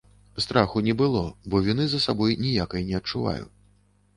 Страху не было, бо віны за сабой ніякай не адчуваю.